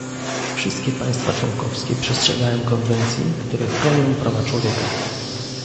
Wszystkie państwa członkowskie przestrzegają konwencji, które chronią prawa człowieka